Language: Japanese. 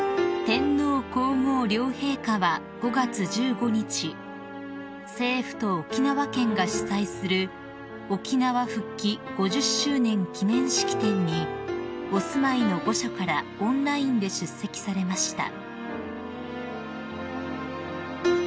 ［天皇皇后両陛下は５月１５日政府と沖縄県が主催する沖縄復帰５０周年記念式典にお住まいの御所からオンラインで出席されました］